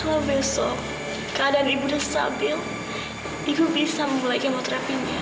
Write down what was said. kalau besok keadaan ibunya stabil ibu bisa memulai kemoterapinya